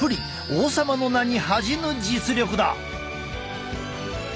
王様の名に恥じぬ実力だ！